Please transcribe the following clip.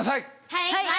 はい！